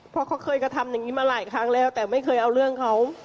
เพราะเขาเคยกระทำอย่างนี้มาหลายครั้งแล้วแต่ไม่เคยเอาเรื่องเขา